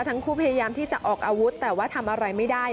ทั้งคู่พยายามที่จะออกอาวุธแต่ว่าทำอะไรไม่ได้